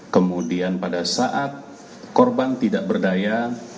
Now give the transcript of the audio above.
kemudian pada saat korban tidak berdaya